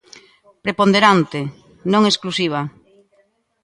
Preponderante, non exclusiva.